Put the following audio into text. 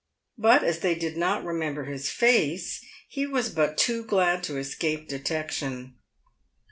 But as they did not remember his face, he was but too glad to es cape detection.